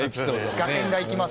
合点がいきますよね。